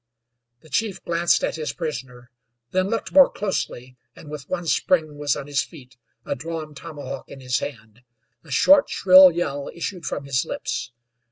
The chief glanced at his prisoner; then looked more closely, and with one spring was on his feet, a drawn tomahawk in his hand. A short, shrill yell issued from his lips.